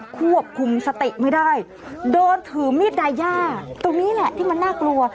ควบคุมสติไม่ได้เดินถือมีดดายาตรงนี้แหละที่มันน่ากลัว